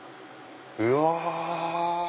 うわ！